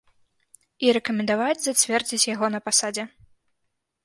І рэкамендаваць зацвердзіць яго на пасадзе.